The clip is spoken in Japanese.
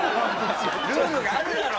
ルールがあるだろ！